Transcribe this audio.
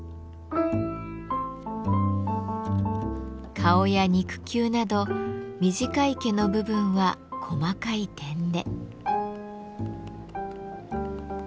顔や肉球など短い毛の部分は細かい点で。